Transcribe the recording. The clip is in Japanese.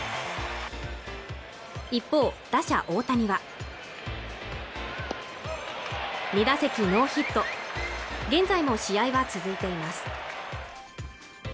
一方打者・大谷は２打席ノーヒット現在も試合は続いています